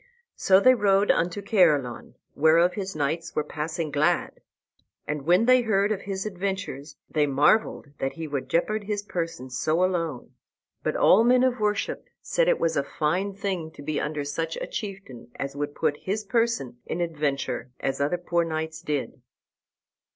So they rode unto Caerleon, whereof his knights were passing glad. And when they heard of his adventures they marvelled that he would jeopard his person so alone. But all men of worship said it was a fine thing to be under such a chieftain as would put his person in adventure as other poor knights did.